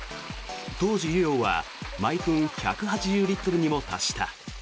当時、湯量は毎分１８０リットルにも達した。